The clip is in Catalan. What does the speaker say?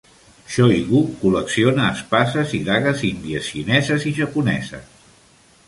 Shoygu col·lecciona espases i dagues índies, xineses i japoneses.